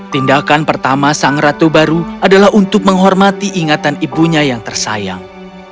tindakan pertama sang ratu baru adalah untuk menghormati ingatan ibunya yang tersayang